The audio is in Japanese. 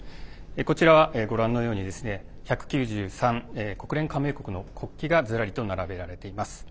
こちらは、ご覧のように１９３国連加盟国の国旗がずらりと並べられています。